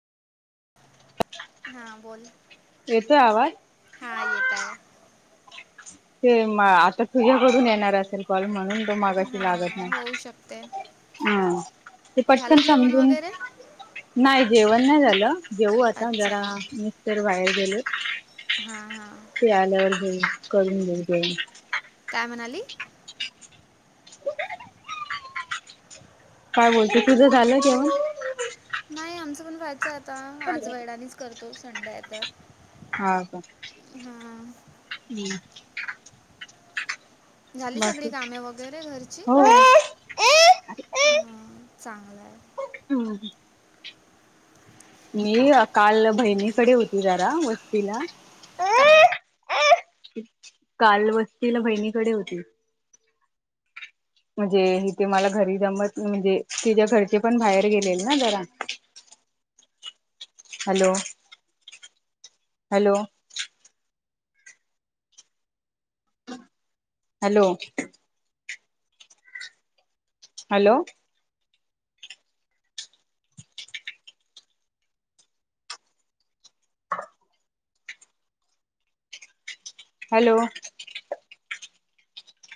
हा बोल. येतो आवाज? हा येत आहे. ते म आता तुझ्याकडून येणार असेल कॉल म्हणून तो मगाशी लागत हां नाही. होऊ शकते हा ते झालं पटकन जेवण समजून. वगैरे नाही जेवण नाही झालं. जेऊ आता अच्छा जरा मिस्टर बाहेर गेले. हां हां. ते आल्यावर हो करून घेऊ जेवण. काय म्हणाली? काय बोलते तुझं झालं जेवण? नाही आमचं पण व्हायचं आता. आज वेळानीच करतो संडे आहे तर. हा का? हां हम्. झाली सगळी कामे वगैरे घरची मग हो. चांगलं आहे. हम्. मी काल बहिणीकडे होती जरा वस्तीला. काल वस्तीला बहिणीकडे होती. म्हणजे इथे मला घरी जमत म्हणजे तिच्या घरचे पण बाहेर गेलेल ना जरा. [inaudible] Hello hello. हॅलो. हॅलो. ह. हॅलो.